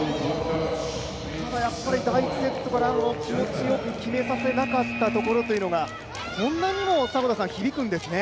ただ第１セットから気持ちよく決めさせなかったところというのがこんなにも響くんですね。